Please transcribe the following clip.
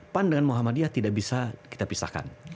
pan dengan muhammadiyah tidak bisa kita pisahkan